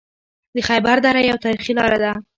د خیبر دره یوه تاریخي لاره ده